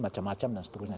macam macam dan seterusnya